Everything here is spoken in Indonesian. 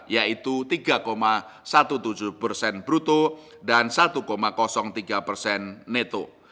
yaitu tiga tujuh belas persen bruto dan satu tiga persen neto